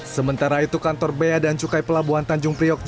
sementara itu kantor bea dan cukai pelabuhan tanjung priok